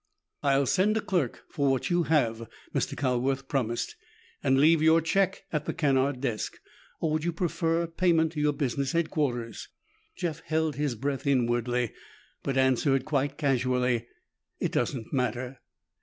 "I'll send a clerk for what you have," Mr. Calworth promised, "and leave your check at the Kennard desk. Or would you prefer payment to your business headquarters?" Jeff held his breath inwardly, but answered quite casually, "It doesn't matter."